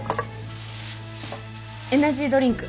エナジードリンク。